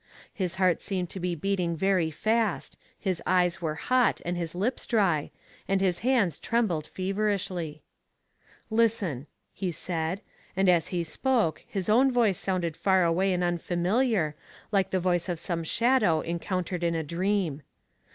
His heart seemed to be beating very fast, his eyes were hot, and his lips dry, and his hands trembled feverishly. Listen !he said, and as he spoke his own voice sounded far away and unfamiliar like the voice of some shadow encountered in a dream.